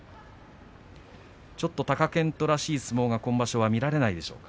貴健斗らしい相撲は今場所は見られないでしょうか。